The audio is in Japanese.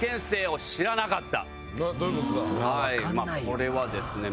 これはですね